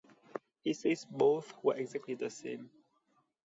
He says both were exactly the same.